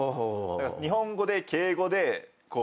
日本語で敬語でこう。